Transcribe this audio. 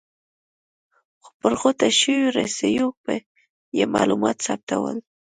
خو پر غوټه شویو رسیو به یې معلومات ثبتول.